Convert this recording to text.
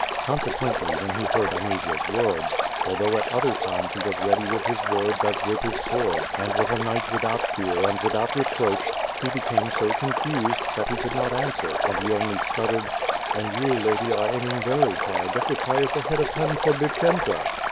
Consequently, w^hen he heard Anusia's words, although at other times he was ready with his words as with his sword, and was a knight without fear and without re proach, he became so confused that he could not answer, and he only stuttered: "And you, too, lady, are aiming very high, just as high as the head of Pan Podbipyenta."